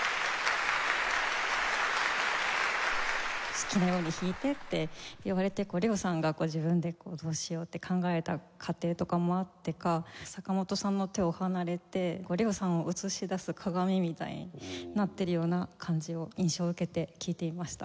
好きなように弾いてって言われてＬＥＯさんがご自分でどうしようって考えた過程とかもあってか坂本さんの手を離れてＬＥＯさんを映し出す鏡みたいになっているような感じを印象を受けて聴いていました。